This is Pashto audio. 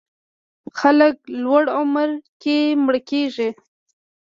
خلک لوړ عمر کې مړه کېږي.